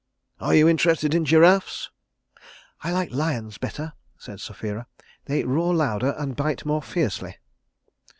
"Are you interested in giraffes?" "I like lions better," said Sapphira. "They roar louder and bite more fiercely."